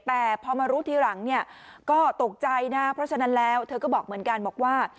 แต่พอมารู้ทีหลังเนี่ยก็ตกใจนะเพราะฉะนั้นแล้วเธอก็บอกเหมือนกันบอกว่า